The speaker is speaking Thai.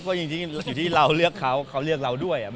เพราะจริงอยู่ที่เราเลือกเขาเขาเลือกเราด้วย